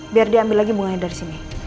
biar dia ambil lagi bunganya dari sini